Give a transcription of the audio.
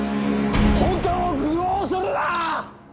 本官を愚弄するな！